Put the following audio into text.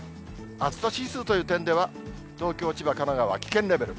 暑さ指数という点では、東京、千葉、神奈川、危険レベル。